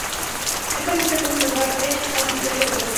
Esta visita tuvo lugar en el Anfiteatro del Bosque.